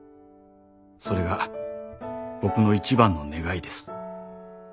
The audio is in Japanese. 「それが僕の一番の願いです」